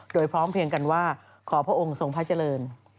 โดยพร้อมเพียงกันว่าขอพระองค์ทรงพระเจริญ